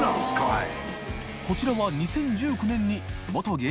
はい。